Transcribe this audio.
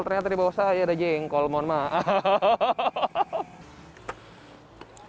ternyata di bawah saya ada jengkol mohon maaf